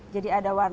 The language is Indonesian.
jadi ada satu warna